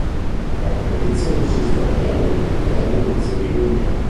La competizione si svolge annualmente all'inizio di luglio.